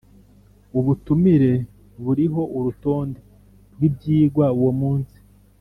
Ubutumire buriho urutonde rw’ ibyigwa uwo munsi